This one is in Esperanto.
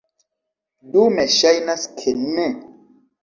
Dume ŝajnas, ke ne.